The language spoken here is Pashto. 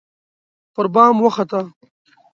پربام وخته